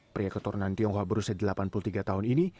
pria keturunan tionghoa berusia delapan puluh tiga tahun ini